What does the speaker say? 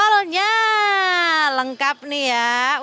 jengkolnya lengkap nih ya